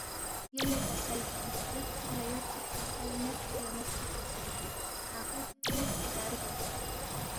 یلے کسل کُن یودسُوک لہ یودسُوک کسل ، میدسُوک لہ میدسُوک کسل، آخرکار میدپا گار گوید